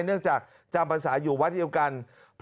เนื่องจากจำภาษาอยู่วัดเดียวกัน